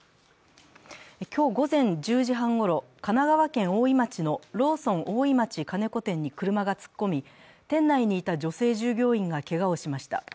今日午前１０時半ごろ、神奈川県大井町のローソン大井町金子店に車が突っ込み、店内にいた女性従業員がけがをしました。